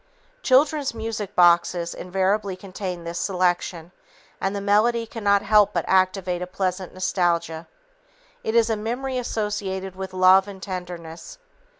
Children's music boxes invariably contain this selection, and the melody cannot help but activate a pleasant nostalgia. It is a memory associated with love and tenderness.